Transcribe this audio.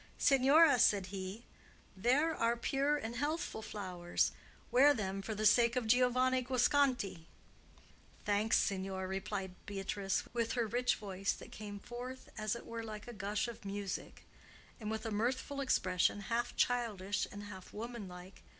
"Signora," said he, "there are pure and healthful flowers. Wear them for the sake of Giovanni Guasconti." "Thanks, signor," replied Beatrice, with her rich voice, that came forth as it were like a gush of music, and with a mirthful expression half childish and half woman like.